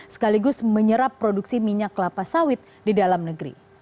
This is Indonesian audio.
sekaligus menyerap produksi minyak kelapa sawit di dalam negeri